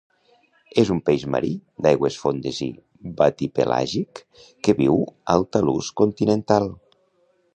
És un peix marí, d'aigües fondes i batipelàgic que viu al talús continental.